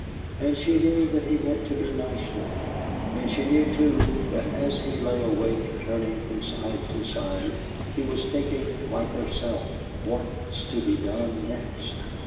And she knew that he meant to be nice to her, and she knew, too, that as he lay awake, turning from side to side, he was thinking like herself: 'What's to be done next?'